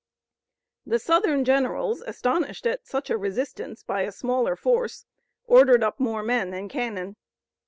The Southern generals astonished at such a resistance by a smaller force, ordered up more men and cannon.